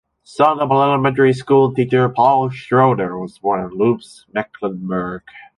Son of an elementary school teacher, Paul Schröder was born in Lübz, Mecklenburg.